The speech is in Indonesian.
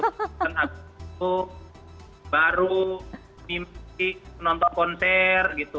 karena abis itu baru mimpi nonton konser gitu